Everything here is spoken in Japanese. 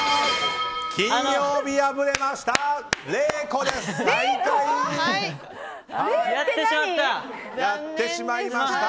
金曜日、敗れました。